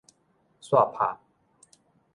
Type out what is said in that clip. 紲拍